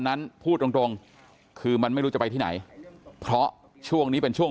นั้นพูดตรงตรงคือมันไม่รู้จะไปที่ไหนเพราะช่วงนี้เป็นช่วง